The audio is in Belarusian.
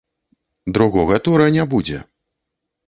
Другога тура не будзе.